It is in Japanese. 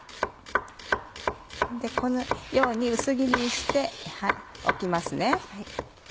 このように薄切りにしておきますね。